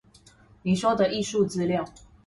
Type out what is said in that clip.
你說的藝術資料